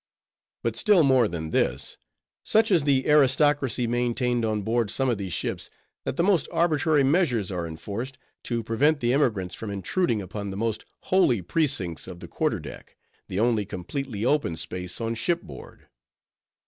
But still more than this. Such is the aristocracy maintained on board some of these ships, that the most arbitrary measures are enforced, to prevent the emigrants from intruding upon the most holy precincts of the quarter deck, the only completely open space on ship board.